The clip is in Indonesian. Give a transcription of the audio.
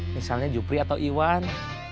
misalnya jupri atau iwan